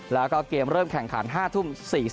แล้วก็เกมเริ่มแข่งขัน๕ทุ่ม๔๐